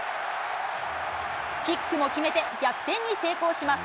キックも決めて逆転に成功します。